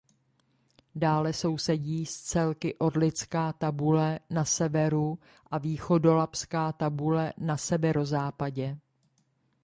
Dále sousedí s celky Orlická tabule na severu a Východolabská tabule na severozápadě.